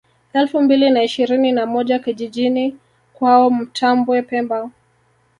Elfu mbili na ishirini na moja kijijiini kwao Mtambwe pemba